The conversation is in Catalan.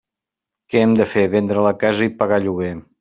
Què hem de fer, vendre la casa i pagar lloguer.